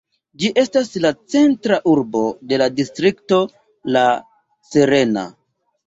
Ĝi estas la centra urbo de la distrikto La Serena.